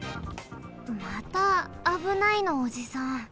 また「あぶない」のおじさん。